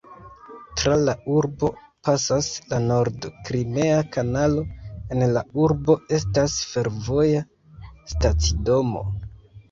Tra la urbo pasas la nord-krimea kanalo; en la urbo estas fervoja stacidomo.